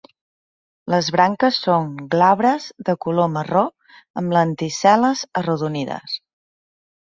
Les branques són glabres de color marró, amb lenticel·les arrodonides.